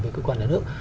với cơ quan nhà nước